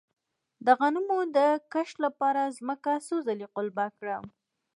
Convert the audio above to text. د غنمو د کښت لپاره ځمکه څو ځله قلبه کړم؟